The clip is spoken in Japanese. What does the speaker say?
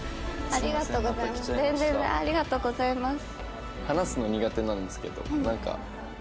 ありがとうございます。